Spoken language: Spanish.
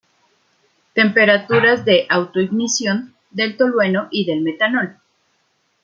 Temperaturas de autoignición del tolueno y del metanol